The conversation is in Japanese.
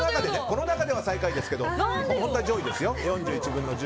この中では最下位ですけど本当は上位ですよ。